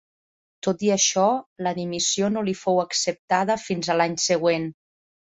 Tot i això, la dimissió no li fou acceptada fins a l'any següent.